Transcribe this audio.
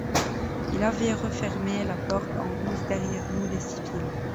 Ils avaient refermé la porte en douce derrière nous les civils.